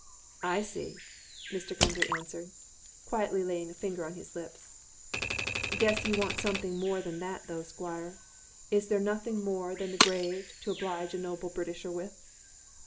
"I see," Mr. Gundry answered, quietly, laying a finger on his lips. "Guess you want something more than that, though, Squire. Is there nothing more than the grave to oblige a noble Britisher with?"